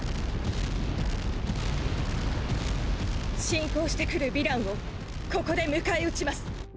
侵攻してくるヴィランをここで迎え撃ちます。